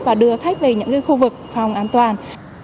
và đưa khách về những khu vực phòng an toàn